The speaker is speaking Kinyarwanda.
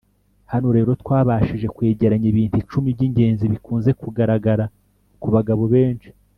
hano rero twabashije kwegeranya ibintu icumi by'ingenzi bikunze kugaragara ku bagabo benshi